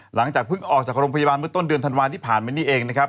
หลังจากเพิ่งออกจากโรงพยาบาลเมื่อต้นเดือนธันวาลที่ผ่านมานี่เองนะครับ